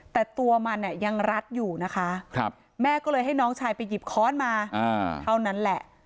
แต่ตัวมันเนี่ยยังรัดอยู่นะคะแม่ก็เลยให้น้องชายไปหยิบค้อนมาเท่านั้นแหละ